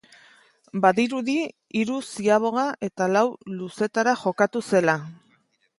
Badirudi hiru ziaboga eta lau luzetara jokatu zela.